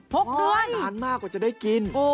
ตั้นนานมากจะได้กิน